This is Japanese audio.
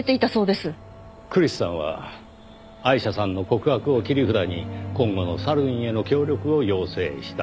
クリスさんはアイシャさんの告白を切り札に今後のサルウィンへの協力を要請した。